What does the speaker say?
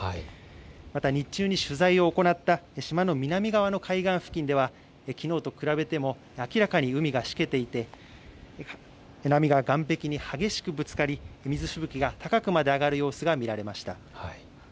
また日中に取材を行った島の南側の海岸付近ではきのうと比べても明らかに海がしけていて波が岸壁に激しくぶつかり水しぶきが高くまで上がる様子が見られました。